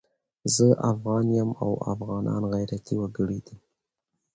زه افغان یم او افغانان غيرتي وګړي دي